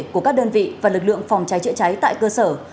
của các đơn vị và lực lượng phòng cháy chữa cháy tại cơ sở